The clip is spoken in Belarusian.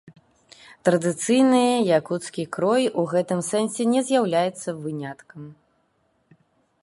Традыцыйны якуцкі крой у гэтым сэнсе не з'яўляецца выняткам.